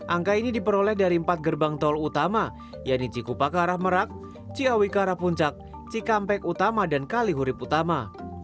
angka ini diperoleh dari empat gerbang tol utama yaitu cikupa ke arah merak ciawi ke arah puncak cikampek utama dan kalihurip utama